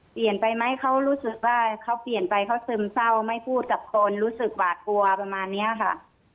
เปลี่ยนไปไหมเขารู้สึกว่าเขาเปลี่ยนไปเขาซึมเศร้าไม่พูดกับคนรู้สึกหวาดกลัวประมาณนี้ค่ะ